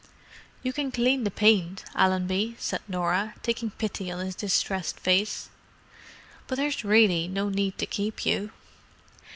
"You can clean the paint, Allenby," said Norah, taking pity on his distressed face. "But there's really no need to keep you."